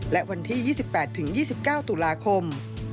และวันที่๒๘๒๙ตุลาคม